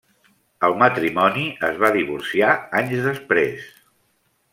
El matrimoni es va divorciar anys després.